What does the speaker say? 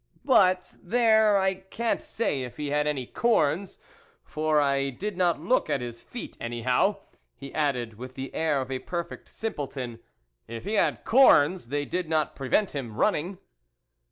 But there, I can't say if he had any corns, for I did not look at his feet, anyhow," ha added, with the air of a perfect simpleton, " if he had corns, they did not prevent him running."